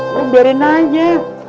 lu biarin aja